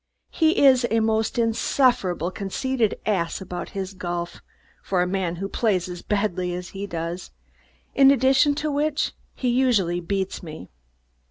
He is a most insufferably conceited ass about his golf, for a man who plays as badly as he does; in addition to which he usually beats me.